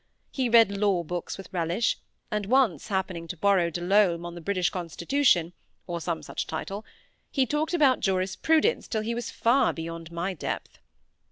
He read law books with relish; and, once happening to borrow De Lolme on the British Constitution (or some such title), he talked about jurisprudence till he was far beyond my depth.